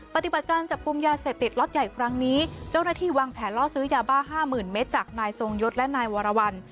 ปฏิบัติการจับกลุ่มยาเสพติดล็อตใหญ่ครั้งนี้เจ้าหน้าที่วางแผนล่อซื้อยาบ้าห้าหมื่นเมตรจากนายทรงยศและนายวรวรรณ